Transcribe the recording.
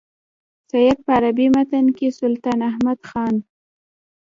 سید په عربي متن کې سلطان احمد خان.